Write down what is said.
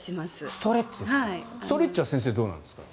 ストレッチは先生、どうなんですか？